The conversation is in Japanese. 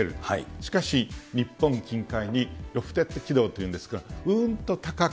しかし、日本近海にロフテッド軌道っていうんですが、うーんと高く。